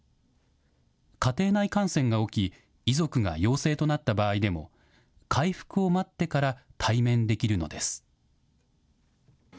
家庭内感染が起き、遺族が陽性となった場合でも、回復を待ってから対面できるのです。